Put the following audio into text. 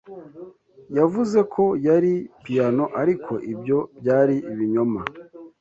Yavuze ko yari piyano, ariko ibyo byari ibinyoma.